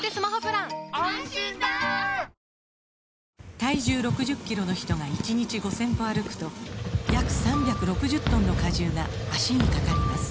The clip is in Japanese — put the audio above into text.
体重６０キロの人が１日５０００歩歩くと約３６０トンの荷重が脚にかかります